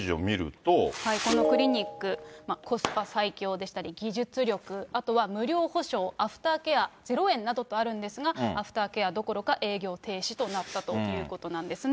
このクリニック、コスパ最強でしたり、技術力、あとは無料保証、アフターケア０円などとあるんですが、アフターケアどころか営業停止となったということなんですね。